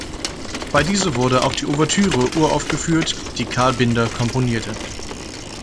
Bei dieser wurde auch die Ouvertüre uraufgeführt, die Carl Binder komponierte.